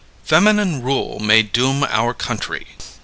FEMININE RULE MAY DOOM OUR COUNTRY.